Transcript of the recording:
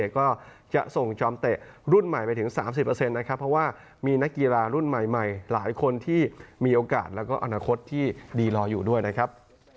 ก็จะส่งจอมเตะรุ่นใหม่ไปถึง๓๐นะครับเพราะว่ามีนักกีฬารุ่นใหม่หลายคนที่มีโอกาสแล้วก็อนาคตที่ดีรออยู่ด้วยนะครับ